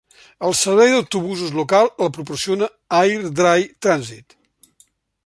El servei d'autobusos local el proporciona Airdrie Transit.